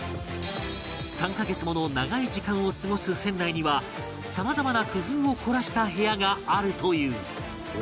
３カ月もの長い時間を過ごす船内にはさまざまな工夫を凝らした部屋があるという